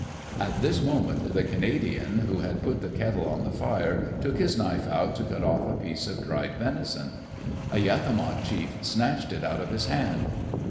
At this moment, the Canadian who had put the kettle on the fire took his knife out to cut off a piece of dried venison. A Yakima chief snatched it out of his hand.